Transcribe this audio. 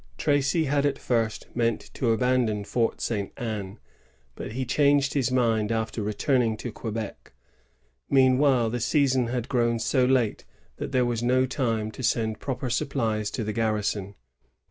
*' Tracy had at first meant to abandon Fort St Anne; but he changed his mind after returning to Quebec. Meanwhile the season had grown so late that there was no time to send proper supplies to the garrison.